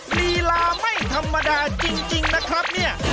ลีลาไม่ธรรมดาจริงนะครับ